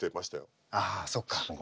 ああそっか。